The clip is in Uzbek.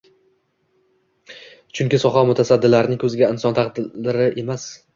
Chunki soha mutasaddilarning ko‘ziga insonlar taqdiri emas